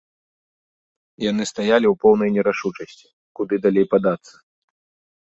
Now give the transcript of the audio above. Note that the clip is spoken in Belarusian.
Яны стаялі ў поўнай нерашучасці, куды далей падацца.